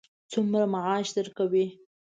څومره معاش درکوي.